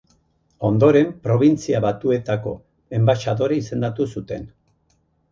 Ondoren, Probintzia Batuetako enbaxadore izendatu zuten.